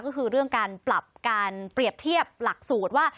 ก็คือเรื่องการปรับการเปรียบเทียบหลักสูตรว่า